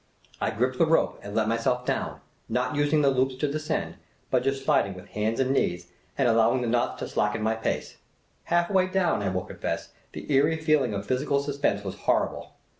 I gripped the rope and let myself down. y'^ not using the loops to '^ descend, but just slid ing with hands and knees, and allowing the knots to slacken my pace. Half way down^ I will confess, the eerie feeling of physical suspense was horrible.